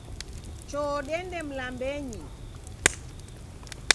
Choo dende mlambenyi .